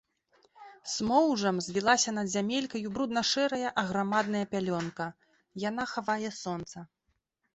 Смоўжам звілася над зямелькаю брудна-шэрая аграмадная пялёнка; яна хавае сонца.